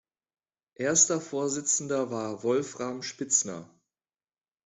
Erster Vorsitzender war Wolfram Spitzner.